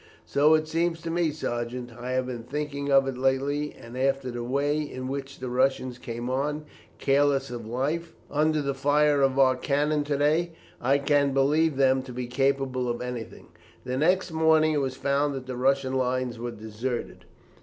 "So it seems to me, sergeant. I have been thinking of it lately, and after the way in which the Russians came on, careless of life, under the fire of our cannon to day, I can believe them to be capable of anything." The next morning it was found that the Russian lines were deserted.